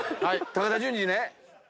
高田純次ね。